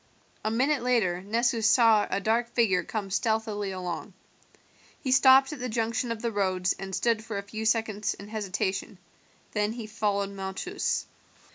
A minute later Nessus saw a dark figure come stealthily along. He stopped at the junction of the roads and stood for a few seconds in hesitation, then he followed Malchus.